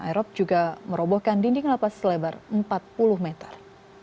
aerob juga merobohkan dinding lapas selebar empat puluh meter